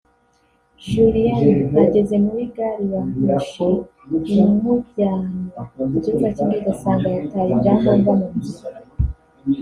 Julien ageze muri gari ya moshi imujyanye ku kibuga cy’indege asanga yataye ibyangombwa mu nzira